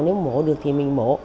nếu mổ được thì mình mổ